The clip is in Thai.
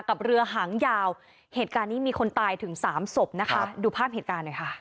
กับเรือหางยาวเหตุการณ์นี้มีคนตายถึงสามศพนะคะ